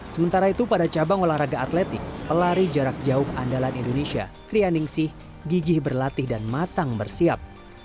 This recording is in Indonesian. sementara itu pada cabang olahraga atletik pelari jarak jauh andalan indonesia trianingsih gigih berlatih dan matang bersiap